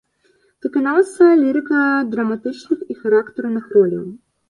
Выканаўца лірыка-драматычных і характарных роляў.